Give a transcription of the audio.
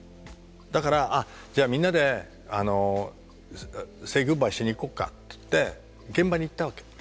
だから「あっじゃあみんなでセイグッバイしに行こうか」って言って現場に行ったわけ。